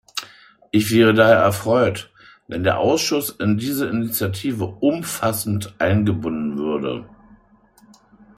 Ich wäre daher erfreut, wenn der Ausschuss in diese Initiative umfassend eingebunden würde.